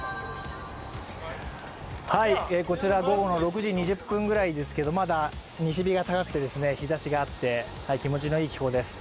こちら午後６時２０分ぐらいですけど、まだ西日が高くて日ざしがあって気持ちのいい気候です。